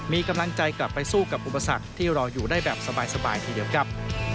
มีกำลังใจกลับไปสู้กับอุปสรรคที่รออยู่ได้แบบสบายทีเดียวครับ